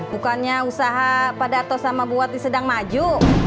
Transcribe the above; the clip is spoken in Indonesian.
bukannya usaha pada atau sama bu hati sedang maju